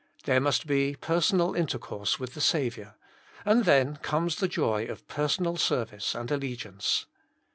There must be personal intercourse with the Saviour, and then comes the joy of per sonal service and allegiance.